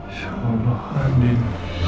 insya allah andien